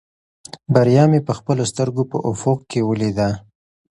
بریا مې په خپلو سترګو په افق کې ولیده.